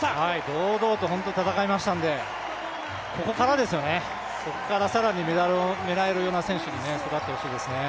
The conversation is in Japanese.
堂々と戦いましたんでここからですよね、ここから更にメダルを狙えるような選手に育ってほしいですね。